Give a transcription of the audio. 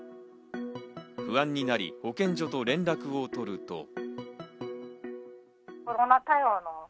不安になり、保健所と連絡を取ると。